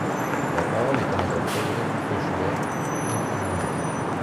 La parole est à Madame Audrey Dufeu Schubert, pour soutenir l’amendement.